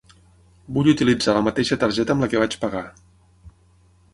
Vull utilitzar la mateixa targeta amb la que vaig pagar.